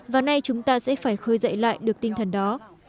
và nay chúng ta sẽ phải khơi dậy lại được tinh thần đó